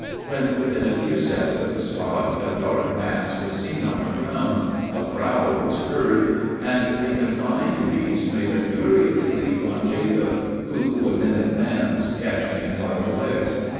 When within a few steps of the spot, a dark mass was seen on the ground a growl was heard and the confined beast made a furious leap on Jacob, who was in advance, catching him by the legs.